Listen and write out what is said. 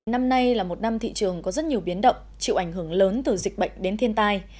năm nay là một năm thị trường có rất nhiều biến động chịu ảnh hưởng lớn từ dịch bệnh đến thiên tai